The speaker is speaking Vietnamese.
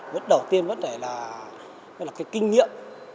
vứt đầu tiên vứt lại là cái kinh nghiệm